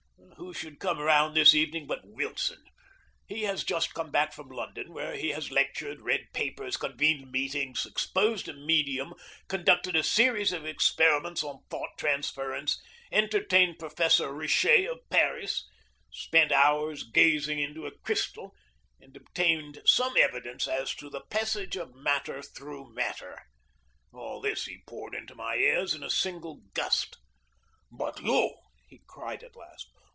Who should come round this evening but Wilson. He has just come back from London, where he has lectured, read papers, convened meetings, exposed a medium, conducted a series of experiments on thought transference, entertained Professor Richet of Paris, spent hours gazing into a crystal, and obtained some evidence as to the passage of matter through matter. All this he poured into my ears in a single gust. "But you!" he cried at last.